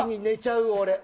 寝ちゃう俺。